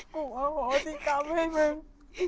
กูขอสิกรรมให้มึง